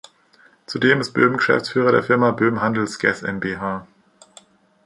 Zudem ist Böhm Geschäftsführer der Firma Böhm Handels GesmbH.